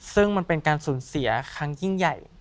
ซึ่งมันเป็นการสูญเสียครั้งยิ่งใหญ่